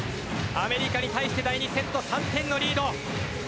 アメリカに対して第２セット３点のリード。